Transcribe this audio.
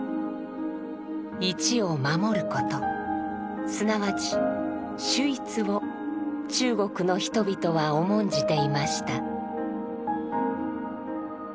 一を守ることすなわち「守一」を中国の人々は重んじていました。